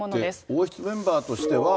王室メンバーとしては。